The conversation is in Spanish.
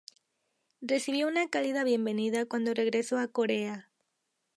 Recibió una cálida bienvenida cuando regresó a Corea.